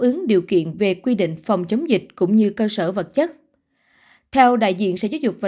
ứng điều kiện về quy định phòng chống dịch cũng như cơ sở vật chất theo đại diện sở giáo dục và